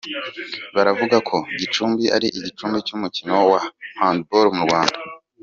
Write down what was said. Baravuga ko Gicumbi ari igicumbi cy’umukino wa hand ball mu Rwanda.